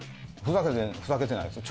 ふざけてないですよ